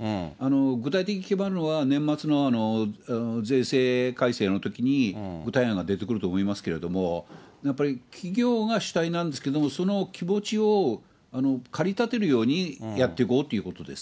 具体的に決まるのは年末の税制改正のときに、具体案が出てくると思いますけども、やっぱり企業が主体なんですけれども、その気持ちを駆りたてるようにやっていこうということですね。